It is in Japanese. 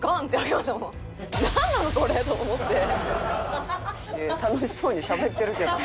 いやいや楽しそうにしゃべってるけど。